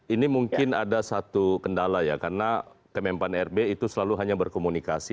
ini mungkin ada satu kendala ya karena kemenpan rb itu selalu hanya berkomunikasi